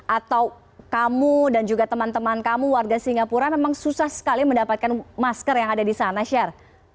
atau kamu dan juga teman teman kamu warga singapura memang susah sekali mendapatkan masker yang ada di sana sher